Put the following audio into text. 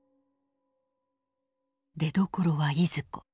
「出どころはいずこ？